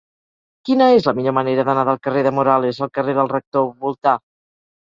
Quina és la millor manera d'anar del carrer de Morales al carrer del Rector Voltà?